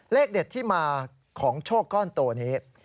เลขเด็ดที่มาของโชคก้อนโตนี้